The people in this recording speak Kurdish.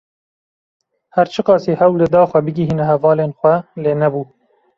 Her çi qasî hewl dida xwe bigihîne hevalên xwe lê nebû.